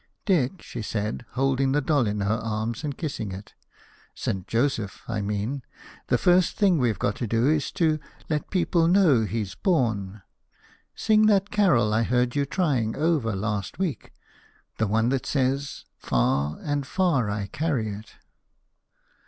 "Dick," she said, folding the doll in her arms and kissing it "St. Joseph, I mean the first thing we've got to do is to let people know he's born. Sing that carol I heard you trying over last week the one that says 'Far and far I carry it.'"